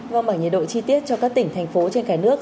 vâng ở nhiệt độ chi tiết cho các tỉnh thành phố trên cả nước